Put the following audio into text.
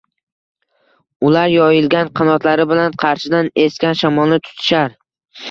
Ular yoyilgan qanotlari bilan qarshidan esgan shamolni tutishar